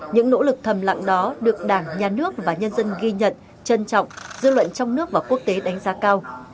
những nỗ lực thầm lặng đó được đảng nhà nước và nhân dân ghi nhận trân trọng dư luận trong nước và quốc tế đánh giá cao